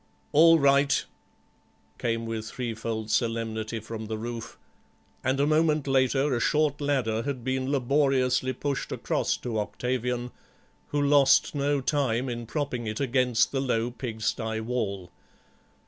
"All right," came with threefold solemnity from the roof, and a moment later a short ladder had been laboriously pushed across to Octavian, who lost no time in propping it against the low pigsty wall.